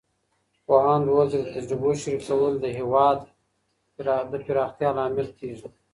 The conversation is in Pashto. پوهاند وویل چې د تجربو شریکول د پوهې پراختیا لامل کیږي.